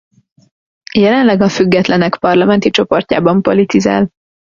Jelenleg a függetlenek parlamenti csoportjában politizál.